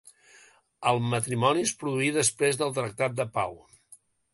El matrimoni es produí després del tractat de pau.